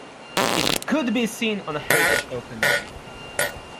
It could be seen on a Heritage Open Day.